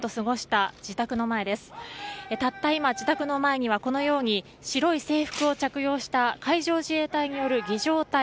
たった今、自宅の前には白い制服を着用した海上自衛隊による儀仗隊